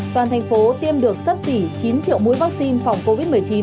toàn thành phố tiêm được sấp xỉ chín triệu mũi vaccine phòng covid một mươi chín